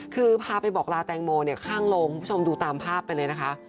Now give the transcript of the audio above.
คือพาไปบอกลาแตงโมข้างโรงคุณผู้ชมดูตามภาพไปเลยนะคะ